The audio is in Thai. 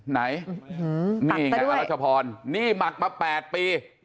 ไหนตักไปด้วยนี่ไงอรัชพรนี่หมักมาแปดปี